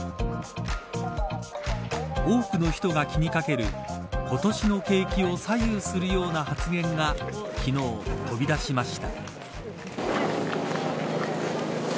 多くの人が気にかける今年の景気を左右するような発言が昨日、飛び出しました。